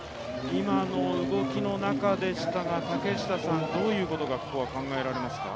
今の動きの中でしたが、どういうことが考えられますか？